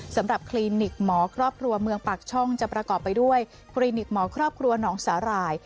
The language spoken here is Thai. คลินิกหมอครอบครัวเมืองปากช่องจะประกอบไปด้วยคลินิกหมอครอบครัวหนองสาหร่าย